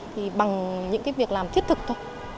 thì bằng những cái việc làm thiết thực thôi